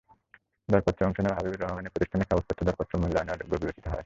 দরপত্রে অংশ নেওয়া হাবিবুর রহমানের প্রতিষ্ঠানের কাগজপত্র দরপত্র মূল্যায়নে অযোগ্য বিবেচিত হয়।